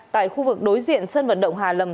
tại khu vực đối diện sân vận động hà lầm